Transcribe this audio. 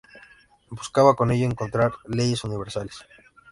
Buscaba con ello encontrar leyes universales.